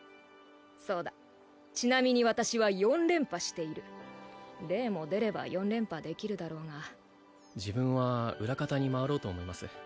そうだちなみに私は４連覇しているレイも出れば４連覇できるだろうが自分は裏方に回ろうと思います